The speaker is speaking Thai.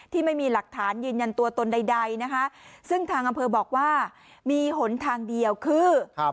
ที่มีหลักฐานยืนยันตัวตนใดนะคะซึ่งทางอำเภอบอกว่ามีหนทางเดียวคือครับ